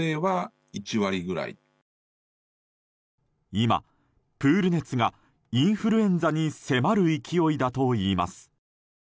今、プール熱がインフルエンザに迫る勢いだといいます。